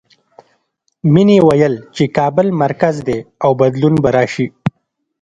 مینې ویل چې کابل مرکز دی او بدلون به راشي